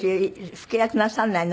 「老け役なさらないの？」